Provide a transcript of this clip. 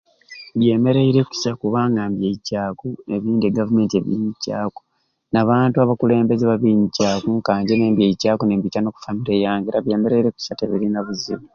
Byemereire kusai kubanga mbyeicaaku n'ebindi gavumenti ebinyicaaku n'abantu abakulembeze babinyicaaku ka nje ni mbyeicaaku nimbiica no ku famire yange era byemereire kusai tebirina buzibu.